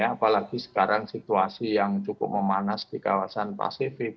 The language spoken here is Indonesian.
apalagi sekarang situasi yang cukup memanas di kawasan pasifik